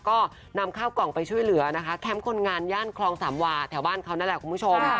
ก็นำข้าวกล่องไปช่วยเหลือนะคะแคมป์คนงานย่านคลองสามวาแถวบ้านเขานั่นแหละคุณผู้ชม